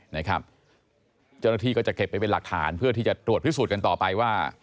เจ้าหน้าที่ก็จะเก็บไปเป็นหลักฐานเพื่อที่จะตรวจพิสูจน์กันต่อไปว่า